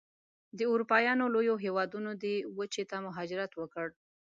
د اروپایانو لویو هېوادونو دې وچې ته مهاجرت وکړ.